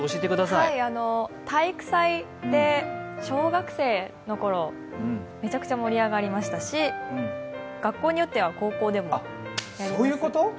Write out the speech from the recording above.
体育祭で小学生の頃、めちゃくちゃ盛り上がりましたし、学校によっては高校でもやります。